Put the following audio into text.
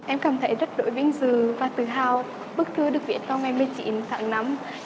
em cảm thấy rất là tốt